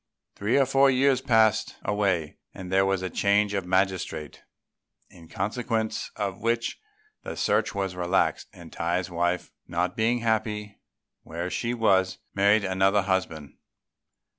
Three or four years passed away and there was a change of magistrate; in consequence of which the search was relaxed, and Tai's wife, not being happy where she was, married another husband.